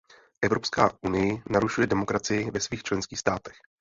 Evropská unii narušuje demokracii ve svých členských státech.